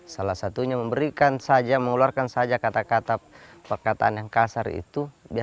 salah satunya memberikan saja mengeluarkan saja kata kata perkataan yang kasar itu